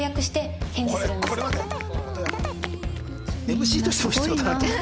ＭＣとしても必要だなと思って。